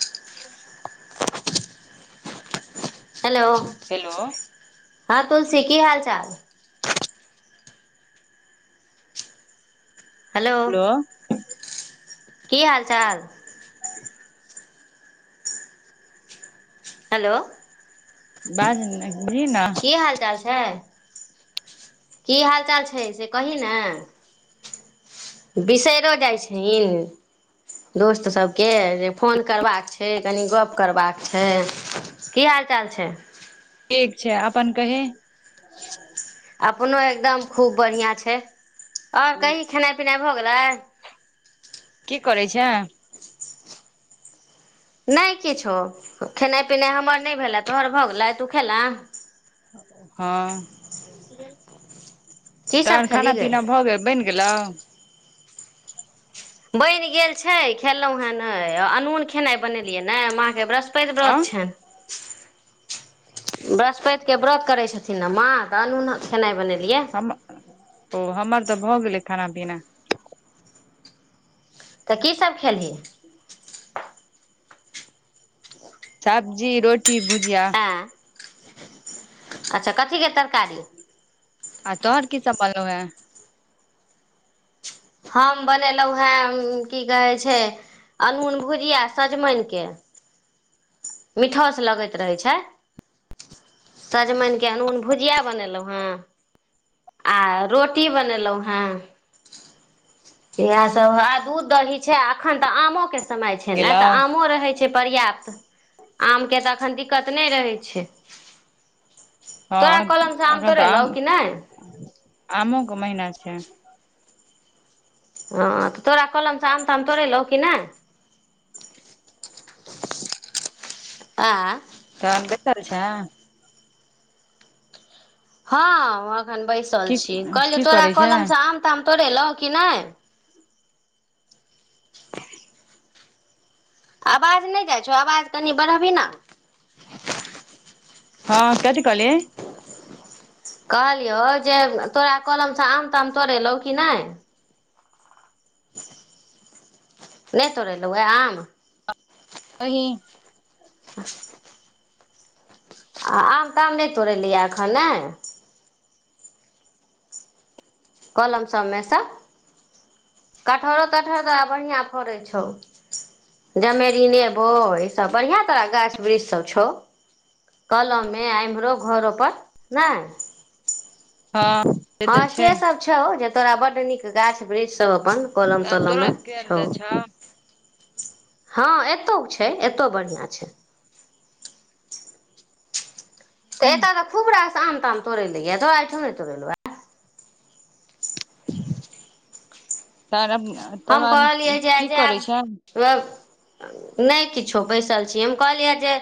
ह [unintelligible] hello. Hello हां तुलसी की हाल चाल। हेलो। की हाल चाल। हेलो। बाजु ने। जी हां। हें। की हाल चाल छै से कही ने। बिसरियो जाइ छहिन दोस्त सबके जे फोन करबाक छै कनि गप्प करबाक छै, की हाल चाल छै। ठीक छै अपन कहि। अपनो एकदम खुब बढ़िया छै। और कही खेनाइ पिनाइ भ गेलै। की करै छें। नै किछो, खेनाइ पिनाइ हमर नहि भेलै, तोहर भ गेलौ तु खेलें। हां। की सब तखन खाना खेली गै पीना भगेल बैन खेलहुं। बनि गेल छै, खेलहुं हे नै आ अनून खेनाइ बनेलियै ने, मां के बृहस्पत पति हँ व्रत चैन। बृहस्पति के व्रत करै छथिन ने माँ त अनूना खेनाइ बनेने हम ओ हमर तऽ भऽ गेलै खाना पीना। तऽ की सब खेलही सब्जी रोट टी भुजिया आँय अच्छा कथीे के तर। आ तोहर की सब बन लौ ये।। हम बनेलौ हेँ उम्म की कहै छै अनून भुजिया सजमैनके मीठोस लगैत रहै छै, सजमैनके अनून भुजिया बनेलौ हेँ आ रोटी बनेलौ हेँ। इहे सब आ दूध दही छै एखन तऽ आमो के समय छै ने गेलौ तऽ आमो रहै छै पर्याप्त। आमके तऽ एखन दिक्कत नै रहै छै। हां तोरा कलम से अखन त तोड़ेलौ आम कि नहि आमो के महिना छै। हां तऽ तोरा कलम से आम ताम तोड़लो की नै। आ तहन बेैसल छै। हां अ अखन बैसल की छीयै कहलियौ की तोरा करै छै कलम से आम ताम तोरेलों की नै। आवाज नै जाइ छौ आवाज कनि बढ़बी न हां कथी कहली कहलियौ जे तोरा कलम से आम ताम तोड़ेलौ की नै। नै तोड़ेलो ए आम नही [inaudible] आ आम तऽ ताम नै तोड़ैएले यै एखन नै। कलम सबमे से कटहरो तटहर तै बढ़िया फड़ै छौ जमेरी नियर बड़ इ सब बढ़िया तरह गाछ वृक्ष सब छौ कलममे इम्हरो घरो पर नै। हँ तऽ हां छै से सब छो ज तोरा बड निक गाछ वृछ सब अपन कलम तहन तलम तोरो में केहन छो। तऽ छौ हां एतो छै एतो बढ़िया छै। तऽ एता तऽ खूब रास त आम ताम तोड़ेलै य तौरा आइठा नै तोड़ेलो यै। तोरब हम कहलियै जै आय जाएब व नै किछो बैसल छीयै हम कहलियै जे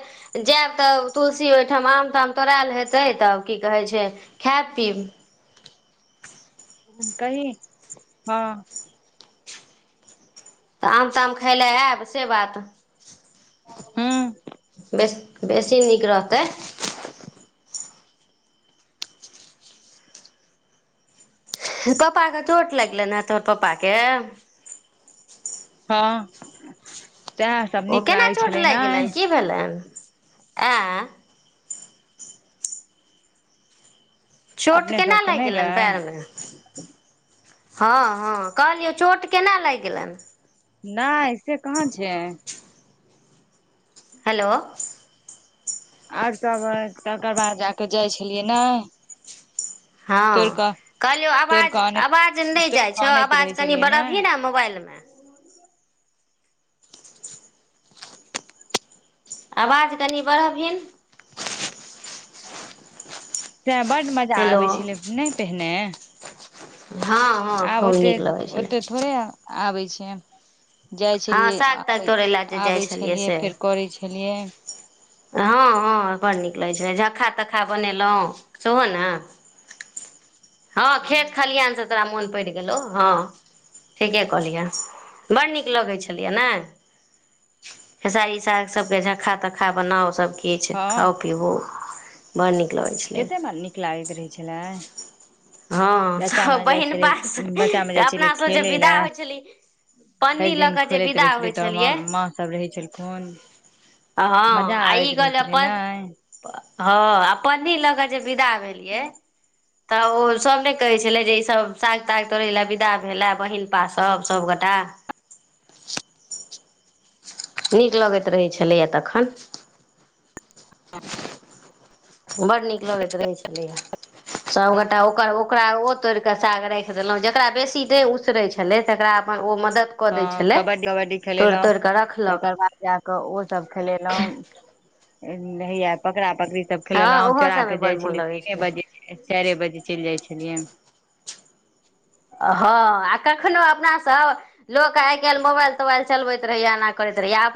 जायब तऽ तुलसी ओयठाम आम ताम तोड़ाएल हेतै तऽ की कहै छै खायब पीब कही हां। तऽ आम ताम खाय लए ऐब से बात हूँ बेस बेसी नीक रहतै। पपा के। चोट लगले ने तोहर कत? के। हँ। सएह सब ओ नीक केना लागै चोट छलै लागि ने गेलेन की भेलेन? आं। चोट अपने केना सबके लागि नहि गै गेलेन पैरमे। हँ हँ कहलियौ चोट केना लागि गेलेन। नहि से कहाँ छै। हेलो। आओर तब तगरा जाके जाइ छलियै ने। तोड़ हँ कऽ कहलियौ तोड़ आवाज कऽ अनैत आवाज नहि तोड़ जाइ कऽ छह अनैत आवाज रहै कनि छलियै बरबही ने मोबाइलमे। आवाज कनि बढ़बिन। से बड मजा हेलो आबै छलै नहि पहिने। हँ हँ आब खूब ओते नीक लगै छलै। ओते थोड़े आबै छै। जाइ हँ छलियै साग ताग आबै तोड़य लए जे जाइ आबै छलियै से फेर करै छलियै। हँ हँ बड़ नीक लगै छल झक्खा तक्खा बनेलहुँ सेहो ने। हँ खेत खालीनस तोरा मन। बढ गैलों हं ठीके कहलिय है बड नीक लागै छलियय न खेसारी सांग सब खाके। खा बनाउ सभ। किछु खाउ पीबू। बड नीक। लगै छलै कतेक मन नीक लागैत रहै छलै। ह बहिन बच्चा मे जाय छले अपना सब जे खेले ले विदा हो छलिय भरि पन्नी ल दिन के जे खेलैत विदा रहे हो छलै तोहर माँ छलिअ माँ सब रहै छलखुन मजा हं ई आबैत रहै कहलौ छलै ने हं पन्नी ल क‌। [inaudible] बिदा भेलियै। तऽ ओ। सभ ने कहै छलै जे ई सब साग ताग तोड़ै विदा भेलै बहिन पास सभ सभगोटा। नीक लगैत रहै छलैए तखन। [inaudible] बड नीक लगैत रहै छलैए। सभगोटा ओकर ओकरा ओ तोड़ि कऽ साग राखि देलहुँ जकरा बेसी देह उसरै छलय तकरा अपन ओ मदत कऽ दै हँ छलै कबड्डी कबड्डी तोड़ खेलेलहुँ तोड़ कऽ रखलक। तकर बाद जााकऽ नय पकड़ा। बकरी सब हँ खेलेलहुं ओहो चोरा के सभमे जाय बड्ड मोन छली लगै तीने छलै बजे छै चारे बजी चल जाइ छै। हेलिय। हँ आ कखनोहु अपनासभ लोक आइ काल्हि मोबाइल तोबाइल चलबैत रहैए एना करैत रहैयए आब।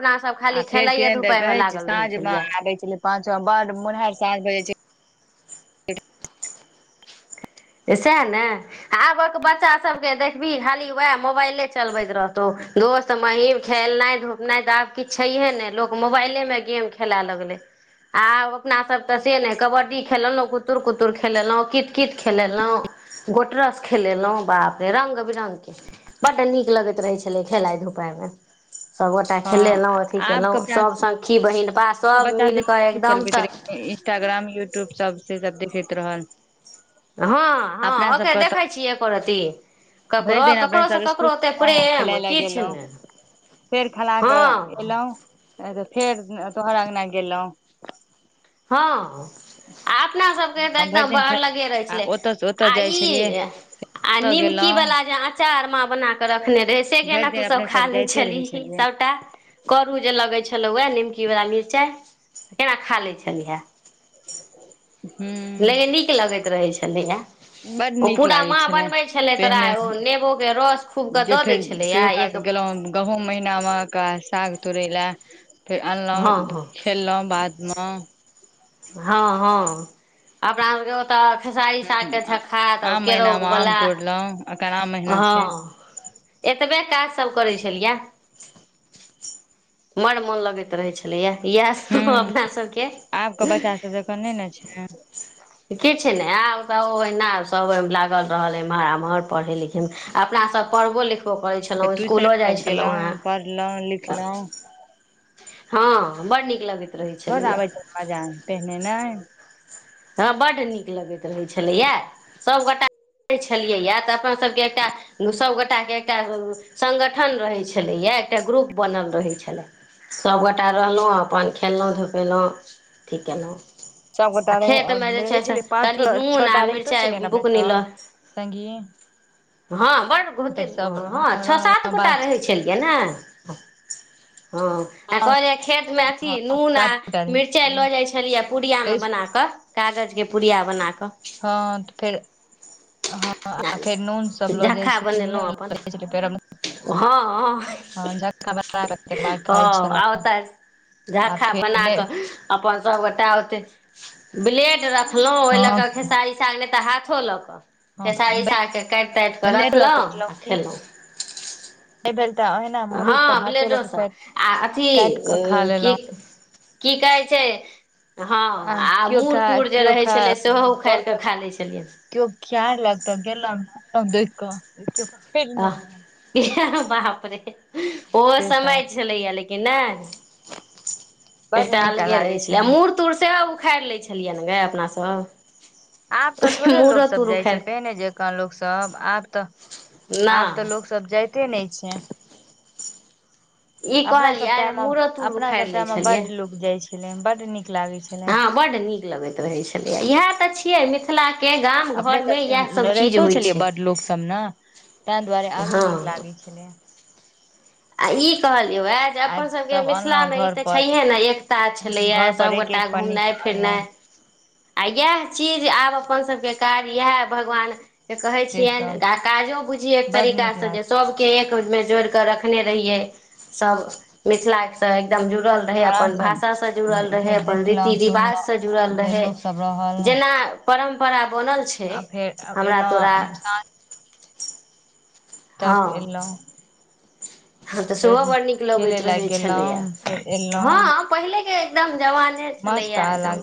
आ फेर किने कहे छै रहै साँझ मे छलियै आबे छले पांचो मे ब मुनहहारि साग रहै छैलय। सएह ने आबक बच्चा सभकेँ देखबिही खाली उएह मोबाइले चलबैत रहतौ दोस्त महीम खेलनाइ धुपनाइ तऽ आब किछु छैहे नहि लोक मोबाइलेमे गेम खेलय लगलै आब अपनासभ तऽ से नहि कबड्डी खेलेलहुँ कुत्त कुतुर खेलेलहुँ कित कित खेलेलहुँ गोटरस खेलेलहुँ बाप रे रङ्ग बिरङ्गके बड्ड नीक लगैत रहै छलै खेलाइ धुपाइमे। सभगोटा हँ खेलेलहुँ अथि आब केलहुँ के बच्चा सभ सङखी बहिन पा। बच्चा चलबैत रहे इंस्टाग्राम यूट्यूब सब से। सब देखेत रहल। हँ हँ अपना ओकरे सबके देखै छियै एको रत्ती तऽ भरि ककरो दिन अपने ककरोसँ सब स्कुल ककरो ओतेक प्रेम खेलाय लए किछु गेलहुँ नहि फेर खेला कऽ हँ‌। एलहुँ तऽ फेर। तोहराअंगना गेललहु। हँ। आ अपनासभके तऽ भरि एकदम दिन बर ख लगे रहै आ छलै ओतऽ से ओतऽ आ जाइ ई छलियै आ ओतऽ निमकी गेलहुँ वला जे अँचार आरमा बना कऽ रखने रहे से भरि केना दिन तूसभ अपने खा सब लै जाइते रहै छलही छलियै सभटा करू जे लगै छलहुए निमकी वला मिरचाइ। केना खा लै छै। खलिहै। नै हूँ नीक लगैत रहै छलैए बड ओ नीक पूरा लागै माँ बनबै छलै तोरा पहिने ओ नेबोके रस खूब कऽ जे दऽ दै फेर छलैए कहियो काल एक। तुर ला। फेर हँ अनलहुँ हँ खेललहुँ बादमे। हँ हँ अपना सभके ओतय। खेसारी सागके ह झखा त आ आम महिना मे आम केराउवला। तोड़लहुं एखन आम महिना छै हँ एतबे काज। सब करै छलियया बड़ मोन लगैत रहे छलेया। इएह ह सब अपना सबके आब के बच्चा सब जखन नहि ने छै किछ। ने आब त ओना सब ओहि लागल रहल एमहर एम्हर पढ़े लिखे। अपना सब पढ़बो लिख। फ ट्यूशन सब गेलहुँ पढ़लहुँ लिखलहुँ। हँ बड नीक लगैत रहै बड छलैए। आबै छै मजा पहिने ने हँ बड नीक। लगैत रहै छलैया। सभगोटा रह छलियैया तऽ अपन सबके एकटा सभगोटाके एकटा संगगठन रहै छलैया एकटा ग्रुप बनल रहै छलै सभगोटा रहलहुँ। अपन खेललहुँ धुपेलहुँ ठीक कैलहों। सब गोटा रहै अ रहै छलै, पाँच कनि छ नून आ छटा रहितो मिरचाइ छलै ने अपने सब संगी। हाँ। बड़ घूमते फेर सब हाँ छ सात रहलहुँ गोटा बात रहै छलियै ने। [unintelligible] हाँ आ सात कहलिया खेत में अथी नून आ गोटा रहै मिरचाय छलियै। लो जाय छलियै पूड़िया मे फेर बना अ कागजके पुड़िया बना क हँ फेर हँ आ फेर नून सब लऽ जाइ छल बनैलो नहि अपन लऽ जाइ छलै, फेर हाँ हाँ हँ झक्का बना के तकर बाद औ खाइ छलहुँ आ आ ओता फेर बना के नहि अपन सबगोटा ओतै ब्लेड रखलौ ओय ले हँ के खेसारी साग ले ते हाथ खोला त खेसारी साग के काट ताट के लेट रखलौ आ खेलौ। एबेर हाँ ब्लेडो सब आ अथी काटि अ कऽ खा की लेलहुँ की कहै छै हाँ आ केओ मूर खा तूड़ जे केओ रहै खा छलै सेहो उखाड़ के कहलक खाय लै छलियन। अब देख क आह बापरे। ओ से समय सब छलैया लेकिन के ने बड एकटा नीक अलगे रहै लागै छलै, मूड़ तुड़ सब उखाड़ लै छलियै ने गे अपना सब। आब ते थोड़े लोक सब जाय छै, उखाड़ि पहिने जकाँ लोक सब। आब ते आब ते नहि लोक सब जाय ते ने छै। ई अपना सब कहलियै टाइम, मूड़ो तूड़ अपना उखाड़ि सब टाइम मे बड लोक जाय छलै, बड नीक लागै छलै हाँ बड्ड नीक लगैत रहै छलै, इहाए ते छियै मिथ ला अपने सब ते रेहतो छलियै छै बड़ लोक सब ने। ता दुआरे आरो हँ नीक लागै छलै। आ इ कहलियौ या जे आइ अपन सबके सब अनलहुं मिथिलामे इ घर ते पर छैये ने एकता छलैया, घर पर सब एक एक गोटा पन्नी घुमनाय फिरनाय अनलहुं आ याह चीज आब अपन सबके कार्य याह भगवान से कहे छियनि ग काजो बुझिय एक बड तरीका नीक से जे लागल सभके एक। मेजौर क रखने। रहियय सब मिथिला के। एकदम जुड़ल रहै आराम अपन से भाषासँ जुड़ल रहै फेर अपन रीति देखलहुं रिवाजसँ जुड़ल सुनलहुं फेर रहै लोक सब रहल जेना परम। [unintelligible] बनल छै आ फेर हमरा तोरा। एलहुँ साँझ तक हँ अयलौ हँ तऽ सेहो बड़ नीक लगैत लाग रहैत छलैया गेलहुं फेर एलहुं हँ पहिलेके। एकदम। जवाने छलय मस्त आ एकदम लाग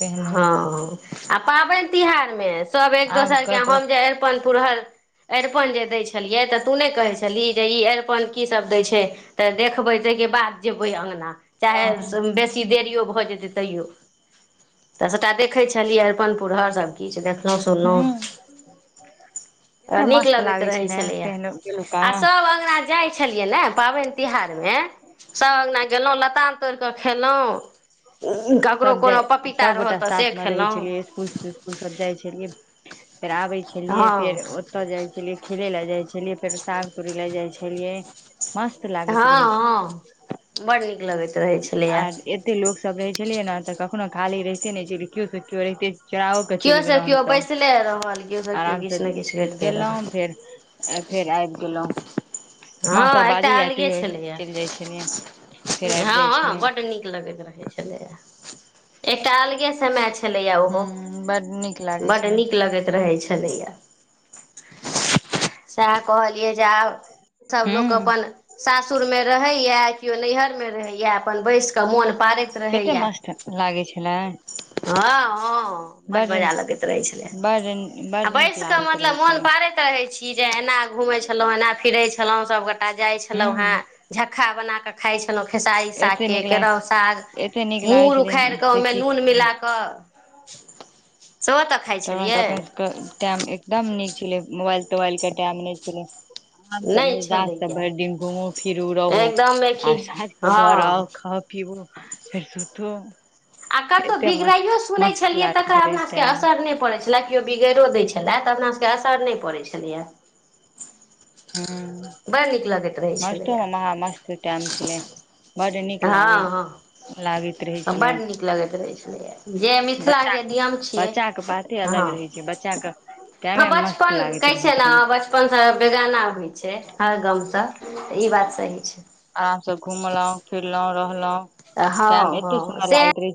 पहिने हां अ पावन। बिहारमे। सब एक आब दोसरके कतहु हम जे अरपन पुरल। अरिपन जे दै छलियै तऽ तू नहि कहै छलही जे ई अरिपन। अरिपन की सब दै छै तऽ देखबै ताहिके बाद जेबै अङ्गना। ह चाहे बेसी देरियो भ जेतै। तैयो तऽ सबटा देखै छलियै अरिपनपुर हर सब। किछ देखले सुनलो त कते नीक मस्त लागैत लागै रहै छै ने अंगना अ पहिलुका सब अंगना। जाइ छलै। पावन तियोहार में सब अंगना गैनो लताम। तोर कऽ खलहुँ। सभ जाइ सभगोटा से साथमे रहै खेलहुँ छलियै सकुल तिस्कुल सब जाइ छलियै। फेर आबै छलियै हँ फेर ओतऽ जाइ छलियै। खेले लए जाइ छलियै फेर साग तोड़ी लए जाइ छलियै। मस्त हँ लागैत रहै छै हँ बड नीक लागैत रहैत छलैए। आर एते लोक सब। छलियै ने तऽ कखनो खाली रहिते ने छै केओ से केओ अयते रहिते छै। केराओ के केओ चलि से गेलहुँं केओ हमसभ बैसले रहल केओ केओ आराम से किछु ने किछु करिते गेलहुं रहल फेर फेर आ। [unintelligible] हँ एकटा अलगे छलैया छलियै फेर आबि जाइ हँ छलियै बड नीक लगैत रहे छले। एकटा अलगे समय छै। छलैया ओहो हूँ बड नीक लागै बड्ड छलै नीक लगैत रहै छलैया। स कहलियए जाउ। सभ लोक हूँ अपन सासुरमे रहैए। केओ नैहर मे रहैय अपन बैस कऽ मोन। बाजत कते रहैया मस्त लागै छलै हं हं बड मजा लगैत रहैल छैलय बड बड नीक बैस के लागैत रहै मतलब मोन छलै पारेत रहै छि जे एना घूमें छलहों एना फिरे छ। सबगोटा जाय छलौं हूँ हें झखा बना क। खाइ छै। खेलहुँ खेसारी एते सागके नीक केराउ लाग साग एते नीक लागै मूर छलै उखाड़ि कऽ से ओहिमे की नून कहू मिला कऽ। सेहो तऽ खाइ त त छलियै अपने एकदम नीक मोबाइल तोबइल क टाम नहि छलै। आराम सब नहि मजेदार सब छलैए भरि दिन घूमू फिरु रहु एकदमे आ खी साँझ के घर आउ हँ खाउ पिउ। [unintelligible] आ कतहु बिगड़ैयो सुनैत छलियै लागै तकर छलै अपना सबके टाइम असर नहि पड़ैत छले केओ बिगड़। दै छलै तऽ अपना सभके असर नहि पड़ैत छलैय। ह मस्तो छलैए म मस्त म छल लै। हँ लागैत रहै हँ छलै बड नीक लगैत रहै छलै जे मिथिला बच्चा के नियम छियै बच्चा के बाते अलग हँ रहै छै बच्चा के ह टाइमे मस्त बचपन लागैत कैस रहै ने छै बचपनसँ बेगाना। होइ छै हर गाँमस ई। ई बात सही छै। आराम से घुमलहुं फिरलहुं रहलहुं। हँ टाइम एते हँ सुन्दर से। लागैत रहे छै